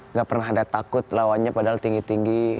nggak pernah ada takut lawannya padahal tinggi tinggi